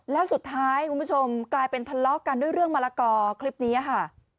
แล้วสุดท้ายคุณผู้ชมกลายเป็นทะเลาะกันด้วยเรื่องมะละกอคลิปนี้ค่ะ